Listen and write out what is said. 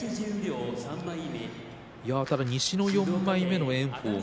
西の４枚目の炎鵬。